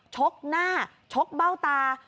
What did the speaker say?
ชกหน้าชกเบ้าตา